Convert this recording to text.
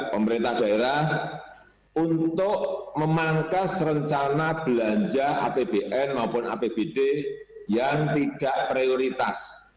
pemerintah daerah untuk memangkas rencana belanja apbn maupun apbd yang tidak prioritas